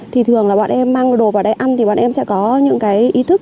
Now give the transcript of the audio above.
thì thường là bọn em mang đồ vào đây ăn thì bọn em sẽ có những cái ý thức